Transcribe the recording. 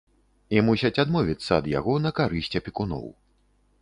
І мусяць адмовіцца ад яго на карысць апекуноў.